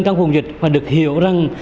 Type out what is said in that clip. trong phòng dịch phải được hiểu rằng